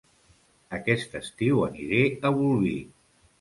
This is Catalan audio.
Aquest estiu aniré a Bolvir